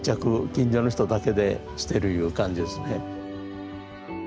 近所の人だけでしてるいう感じですね。